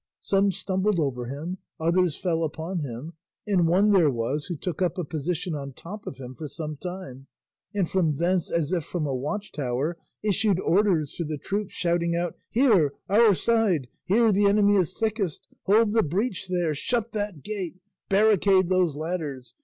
Some stumbled over him, others fell upon him, and one there was who took up a position on top of him for some time, and from thence as if from a watchtower issued orders to the troops, shouting out, "Here, our side! Here the enemy is thickest! Hold the breach there! Shut that gate! Barricade those ladders!